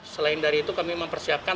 selain dari itu kami mempersiapkan